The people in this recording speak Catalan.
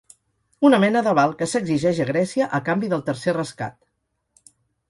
Una mena d’aval que s’exigeix a Grècia a canvi del tercer rescat.